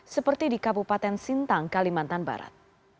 seperti di kabupaten sintang kalimantan barat